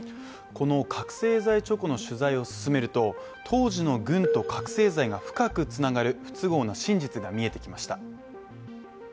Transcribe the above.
この覚醒剤チョコの取材を進めると当時の軍と覚醒剤が深くつながる不都合な真実が見えてきました。